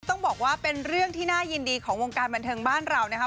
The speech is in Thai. ต้องบอกว่าเป็นเรื่องที่น่ายินดีของวงการบันเทิงบ้านเรานะครับ